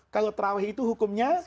kalau terawih itu hukumnya